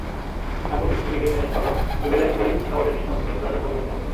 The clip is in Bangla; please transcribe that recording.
শাপগ্রস্ত শিশুটিকে মেষপালক তুলে দেন কোরিন্থ নগরের নিঃসন্তান রাজা পলিবাসের হাতে।